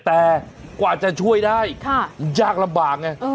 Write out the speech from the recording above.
แต่กว่าจะช่วยได้ยากลำบากไง